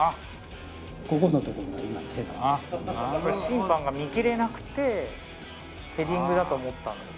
審判が見きれなくてヘディングだと思ったんです。